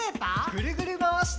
ぐるぐるまわして。